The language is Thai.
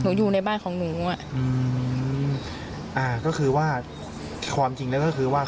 อยู่ในบ้านของหนูอ่ะอืมอ่าก็คือว่าความจริงแล้วก็คือว่า